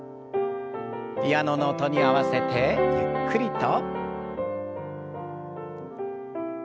ピアノの音に合わせてゆっくりと。